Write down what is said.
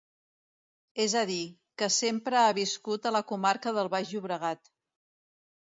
És a dir, que sempre ha viscut a la comarca del Baix Llobregat.